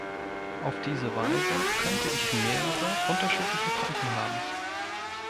Auf diese Weise könnte ich mehrere, unterschiedliche Konten haben.